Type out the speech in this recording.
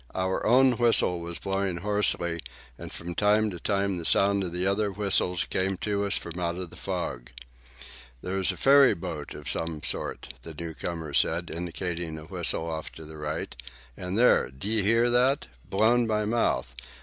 Our own whistle was blowing hoarsely, and from time to time the sound of other whistles came to us from out of the fog. "That's a ferry boat of some sort," the new comer said, indicating a whistle off to the right. "And there! D'ye hear that? Blown by mouth.